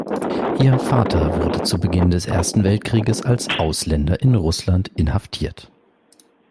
Ihr Vater wurde zu Beginn des Ersten Weltkrieges als Ausländer in Russland inhaftiert.